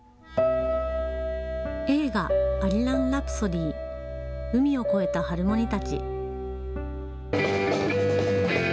映画、アリランラプソディ海を越えたハルモニたち。